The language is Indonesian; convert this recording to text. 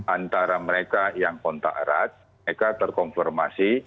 antara mereka yang kontak erat mereka terkonfirmasi